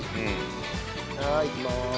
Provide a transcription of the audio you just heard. はいいきます。